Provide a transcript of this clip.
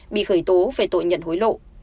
bị khởi tố về tội nhận hối lộ